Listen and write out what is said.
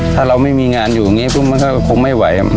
ถ้าเราไม่มีงานอยู่อย่างนี้มันก็คงไม่ไหว